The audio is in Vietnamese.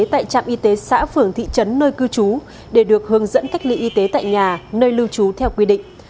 tại trạm y tế xã phường thị trấn nơi cư trú để được hướng dẫn cách ly y tế tại nhà nơi lưu trú theo quy định